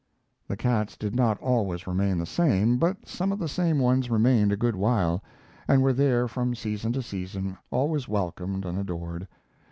The cats did not always remain the same, but some of the same ones remained a good while, and were there from season to season, always welcomed and adored.